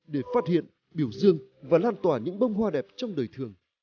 để phát hiện biểu dương và lan tỏa những bông hoa đẹp trong đời thường